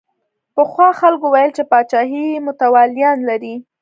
پخوا خلکو ویل چې پاچاهي متولیان لري.